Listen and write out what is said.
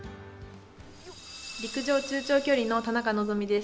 陸上、中・長距離の田中希実です。